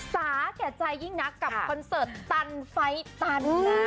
สาแก่ใจยิ่งนักกับคอนเสิร์ตตันไฟตัน